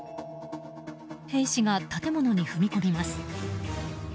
兵士が建物に踏み込みます。